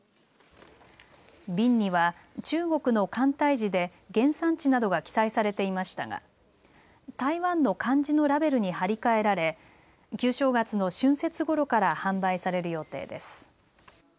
瓶には、中国の簡体字で原産地などが記載されていましたが台湾の漢字のラベルに貼り替えられ旧正月の春節ごろから販売される予定です。